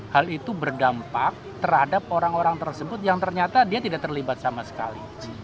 hal itu berdampak terhadap orang orang tersebut yang ternyata dia tidak terlibat sama sekali